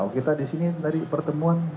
kita disini dari pertemuan